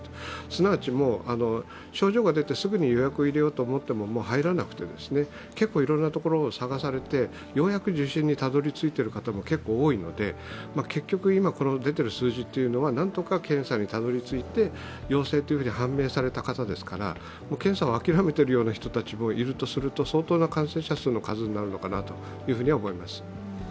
すなわち、症状が出てすぐに予約を入れようと思って入らなくて、結構いろいろなところを探されて、ようやく受診にたどりついている方も結構、多いので結局、今、出ている数字というのは何とか検査にたどり着いて、陽性と判明された方ですから検査を諦めているような人もいるとすると相当な感染者数になるのかなと思います。